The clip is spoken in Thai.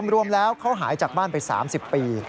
รวมแล้วเขาหายจากบ้านไป๓๐ปี